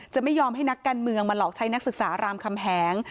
จะไม่ยอมให้นักการเมืองมาหลอกใช้นักศึกษารามคำแหง